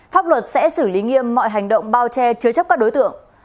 pháp luật sẽ xử lý nghiêm mọi hành động bao che chứa chấp các đối tượng